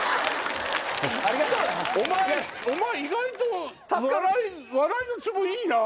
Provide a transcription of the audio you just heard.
お前意外と笑いのツボいいなぁ！